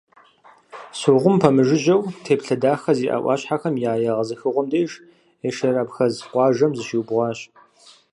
Согъум пэмыжыжьэу, теплъэ дахэ зиӀэ Ӏуащхьэхэм я егъэзыхыгъуэм деж, Эшер абхъаз къуажэм зыщиубгъуащ.